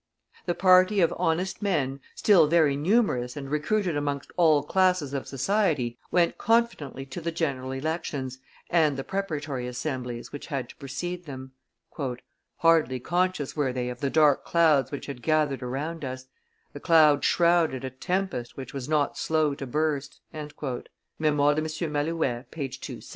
The party of honest men, still very numerous and recruited amongst all classes of society, went confidently to the general elections and preparatory assemblies which had to precede them. "Hardly conscious were they of the dark clouds which had gathered around us; the clouds shrouded a tempest which was not slow to burst." [Ibidem, p. 260.